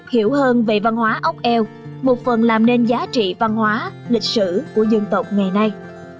hiểu hơn về văn hóa ốc eo một phần làm nên giá trị văn hóa lịch sử của dân tộc ngày nay